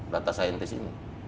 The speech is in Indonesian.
data saintis ini